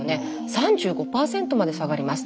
３５％まで下がります。